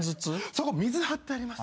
そこ水張ってあります。